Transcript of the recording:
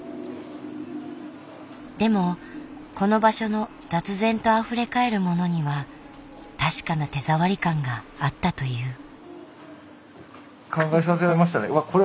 でもこの場所の雑然とあふれ返るものには確かな手触り感があったという。